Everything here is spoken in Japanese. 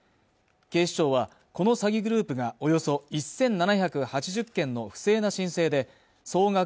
警視庁はこの詐欺グループがおよそ１７８０件の不正な申請で総額